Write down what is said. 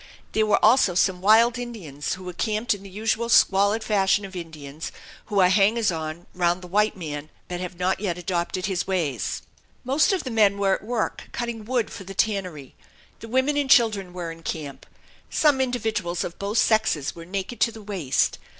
There were also some wild Indians, who were camped in the usual squalid fashion of Indians who are hangers on round the white man but have not yet adopted his ways. Most of the men were at work cutting wood for the tannery. The women and children were in camp. Some individuals of both sexes were naked to the waist.